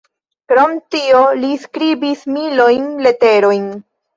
Krom tio li skribis milojn leterojn.